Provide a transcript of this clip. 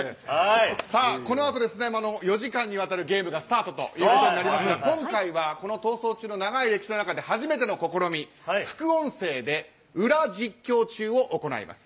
このあと、４時間にわたるゲームがスタートとなりますが今回は、この「逃走中」の長い歴史の中で初めての試み副音声で「ウラ実況中」を行います。